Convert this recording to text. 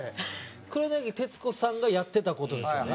黒柳徹子さんがやってた事ですよね。